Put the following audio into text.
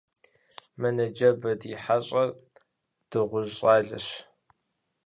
Мы ныжэбэ ди хьэщӀахэр дыгъужь щӀалэщ.